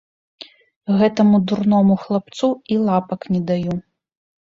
Гэтаму дурному хлапцу і лапак не даю.